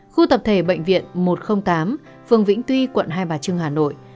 khu tập thể bệnh viện một trăm linh tám phường vĩnh tuy quận hai bà trưng hà nội